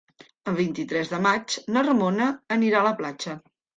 El vint-i-tres de maig na Ramona anirà a la platja.